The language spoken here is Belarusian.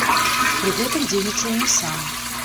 Пры гэтым дзейнічаў не сам.